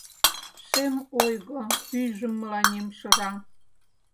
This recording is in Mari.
Шем ойго пӱйжым мыланем шыра.